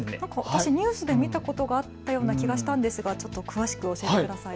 私ニュースで見たことがあったような気がしたんですが詳しく教えてください。